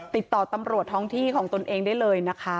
ติดต่อตำรวจท้องที่ของตนเองได้เลยนะคะ